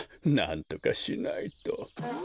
なんとかしないと。